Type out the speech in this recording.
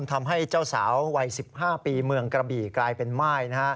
ทำให้เจ้าสาววัย๑๕ปีเมืองกระบี่กลายเป็นม่าย